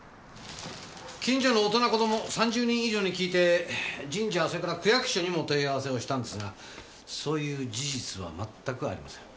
近所の大人子供３０人以上に訊いて神社それから区役所にも問い合わせをしたんですがそういう事実はまったくありません。